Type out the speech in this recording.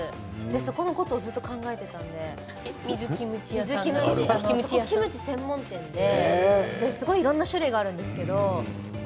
そこのことをずっと考えていたので水キムチ専門店いろんなものがあるんです。